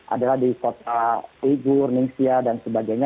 adalah di kota yigu ningxia dan sebagainya